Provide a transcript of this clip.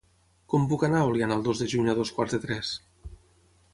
Com puc anar a Oliana el dos de juny a dos quarts de tres?